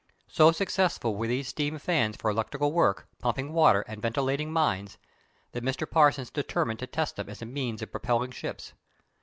So successful were these steam fans for electrical work, pumping water and ventilating mines, that Mr. Parsons determined to test them as a means of propelling ships.